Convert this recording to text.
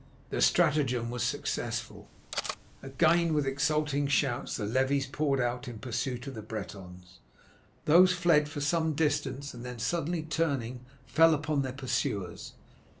The stratagem was successful. Again with exulting shouts the levies poured out in pursuit of the Bretons. These fled for some distance, and then suddenly turning fell on their pursuers.